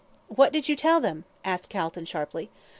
"What did you tell him?" asked Calton, sharply.